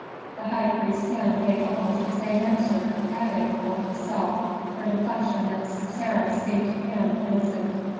The high priest Sem gave almost the same answer, adding, for himself, the reflection that Sarah seemed to him innocent.